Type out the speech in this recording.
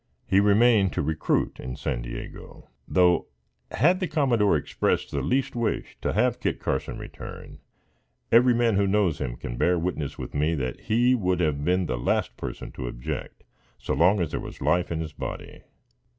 He remained to recruit in San Diego; though, had the commodore expressed the least wish to have Kit Carson return, every man who knows him can bear witness with me that he would have been the last person to object, so long as there was life in his body.